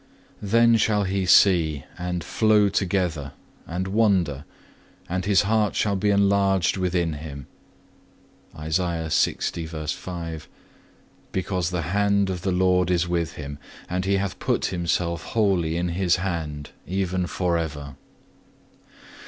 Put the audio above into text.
4. Then shall he see, and flow together, and wonder, and his heart shall be enlarged within him,(2) because the hand of the Lord is with him, and he hath put himself wholly in His hand, even for ever.